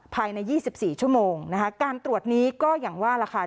ภายใน๒๔ชั่วโมงนะคะการตรวจนี้ก็อย่างว่าล่ะค่ะ